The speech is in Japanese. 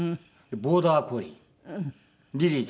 ボーダーコリー。